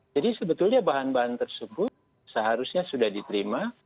jadi sebetulnya bahan bahan tersebut seharusnya sudah diterima